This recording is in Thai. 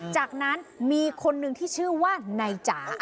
จากนั้นมีคนหนึ่งที่ชื่อว่านายจ๋า